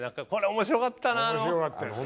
面白かったです